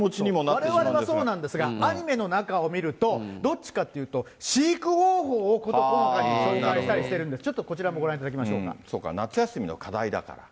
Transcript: われわれはそうなんですが、アニメの中を見ると、どっちかっていうと、飼育方法を事細かに紹介してるんで、ちょっとこちらもご覧いただそうか、夏休みの課題だから。